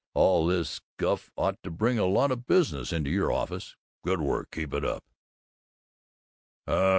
All this guff ought to bring a lot of business into your office. Good work! Keep it up!"